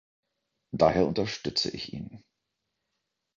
Daher unterstütze ich ihn.